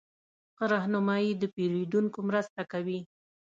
ښه رهنمایي د پیرودونکو مرسته کوي.